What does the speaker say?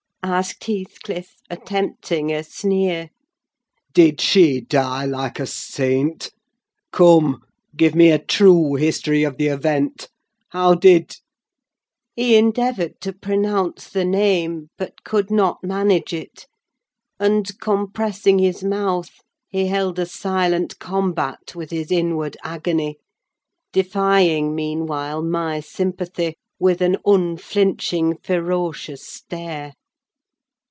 asked Heathcliff, attempting a sneer. "Did she die like a saint? Come, give me a true history of the event. How did—?" He endeavoured to pronounce the name, but could not manage it; and compressing his mouth he held a silent combat with his inward agony, defying, meanwhile, my sympathy with an unflinching, ferocious stare.